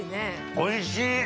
おいしい。